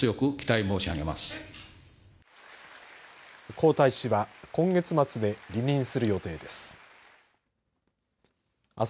孔大使は今月末で離任する予定です。